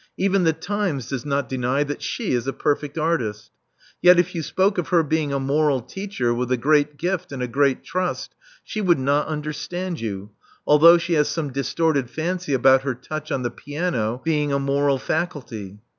Even the Times does not deny that sJic is a perfect artist. Yet if you spoke of her being a moral teacher with a great gift and a great trust, she would not understand you, although she has some distorted fancy about her touch on the piano ]:)eing a moral faculty.